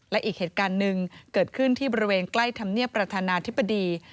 และอีกเหตุการณ์หนึ่งเกิดขึ้นที่บริเวณใกล้ธรรมเนียบประธานาธิบดี